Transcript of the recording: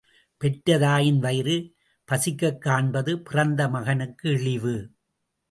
பெற்ற தாயின் வயிறு பசிக்கக் காண்பது பிறந்த மகனுக்கு இழிவு.